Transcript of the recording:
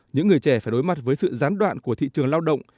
những người trẻ phải đối mặt với sự gián đoạn của thị trường lao động